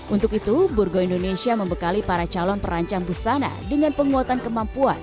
untuk itu burgo indonesia membekali para calon perancang busana dengan penguatan kemampuan